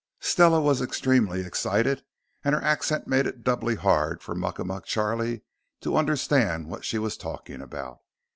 Stella was extremely excited, and her accent made it doubly hard for Muckamuck Charlie to understand what she was talking about.